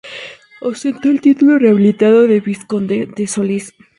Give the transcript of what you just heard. Ostentó el título rehabilitado de vizconde de Solís.